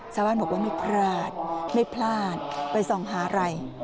สามารถบอกว่าไม่พลาดไปส่องหาไร